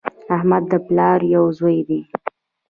احمد د پلار یو زوی دی